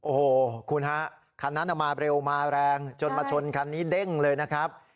โอ้โหคุณฮะคันนั้นมาเร็วมาแรงจนมาชนคันนี้เด้งเลยนะครับ